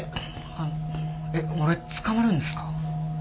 あのえっ俺捕まるんですか？